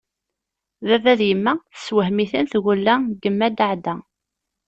Baba d yemma tessewhem-iten tgella n yemma Daɛda.